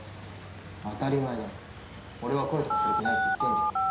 当たり前だろ俺は恋とかする気ないって言ってんじゃん